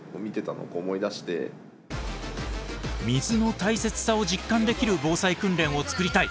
水の大切さを実感できる防災訓練を作りたい！